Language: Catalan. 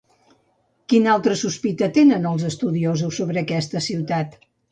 Quina altra sospita tenen, els estudiosos, sobre aquesta ciutat?